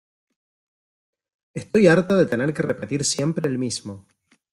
Estoy harta de tener que repetir siempre el mismo.